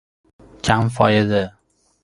کم فایده